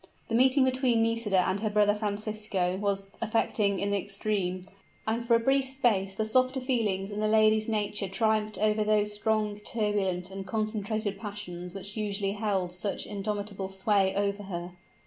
The meeting between Nisida and her brother Francisco was affecting in the extreme; and for a brief space the softer feelings in the lady's nature triumphed over those strong, turbulent, and concentrated passions which usually held such indomitable sway over her.